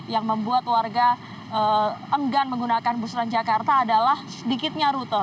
yang mereka enggan menggunakan bus transjakarta adalah sedikitnya rute